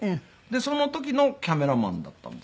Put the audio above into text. その時のカメラマンだったんです。